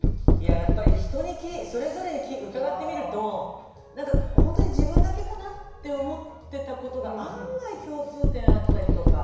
やっぱり人にそれぞれに伺ってみるとなんかほんとに自分だけかな？って思ってたことが案外共通点あったりとか。